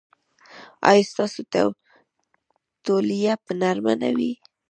ایا ستاسو تولیه به نرمه نه وي؟